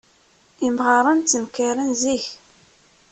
Imɣaren ttenkaren zik.